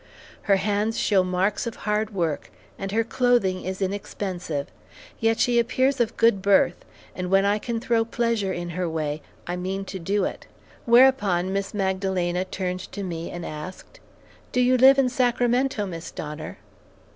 Her hands show marks of hard work and her clothing is inexpensive, yet she appears of good birth and when I can throw pleasure in her way, I mean to do it." Whereupon Miss Magdalena turned to me and asked, "Do you live in Sacramento, Miss Donner?"